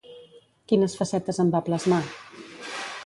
Quines facetes en va plasmar?